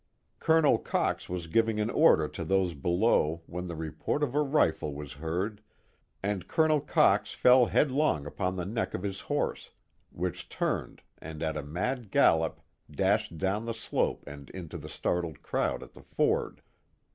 Colonel Cox was giv'ing an order to those below when the report of a ride was heard and Colonel Cox fell headlong upon the neck of his horse, wliicli turned and at a mad gallop dashed down the slope and into tlie startled crowd at the ford.